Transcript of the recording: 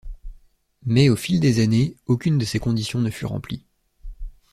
Mais au fil des années, aucune de ces conditions ne fut remplie.